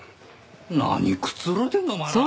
何くつろいでんだお前ら！